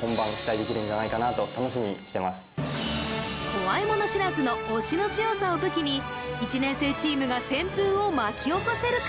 怖いもの知らずの押しの強さを武器に１年生チームが旋風を巻き起こせるか